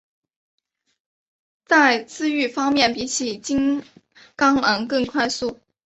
在自愈方面比起金钢狼更快速。